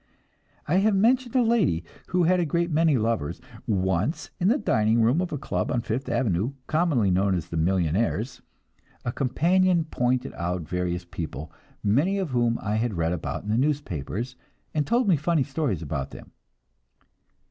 I have mentioned a lady who had a great many lovers. Once in the dining room of a club on Fifth Avenue, commonly known as "the Millionaires'," a companion pointed out various people, many of whom I had read about in the newspapers, and told me funny stories about them.